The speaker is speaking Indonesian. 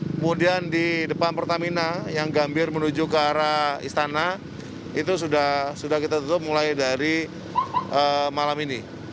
kemudian di depan pertamina yang gambir menuju ke arah istana itu sudah kita tutup mulai dari malam ini